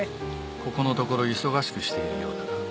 ここのところ忙しくしているようだが。